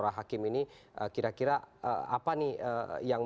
kemudian karena tidak ada dinau paste usahanya berarti